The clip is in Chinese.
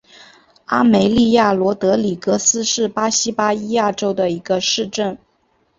阿梅利娅罗德里格斯是巴西巴伊亚州的一个市镇。